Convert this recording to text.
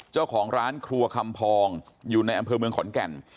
เจ้าของร้านครัวคำพองอยู่ในอำเภอเมืองขอนแก่น